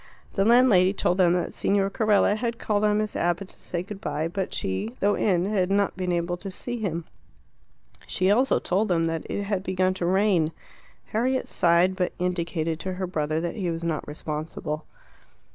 The landlady told them that Signor Carella had called on Miss Abbott to say good bye, but she, though in, had not been able to see him. She also told them that it had begun to rain. Harriet sighed, but indicated to her brother that he was not responsible.